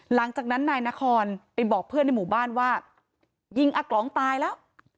หลังจากนั้นนายนครไปบอกเพื่อนในหมู่บ้านว่ายิงอากลองตายแล้ว